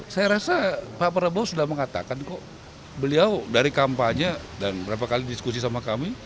saya rasa pak prabowo sudah mengatakan kok beliau dari kampanye dan berapa kali diskusi sama kami